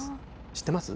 知ってます？